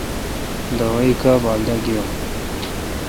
دوائ کا با داگینم۔